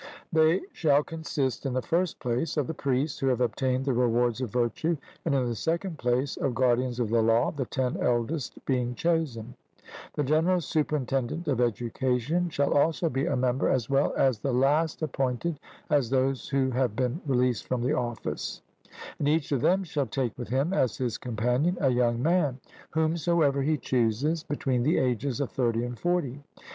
They shall consist, in the first place, of the priests who have obtained the rewards of virtue; and, in the second place, of guardians of the law, the ten eldest being chosen; the general superintendent of education shall also be a member, as well as the last appointed as those who have been released from the office; and each of them shall take with him as his companion a young man, whomsoever he chooses, between the ages of thirty and forty.